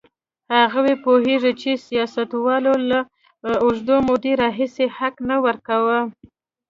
هغوی پوهېږي چې سیاستوالو له اوږدې مودې راهیسې حق نه ورکاوه.